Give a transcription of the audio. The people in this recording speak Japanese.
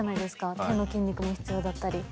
手の筋肉も必要だったり。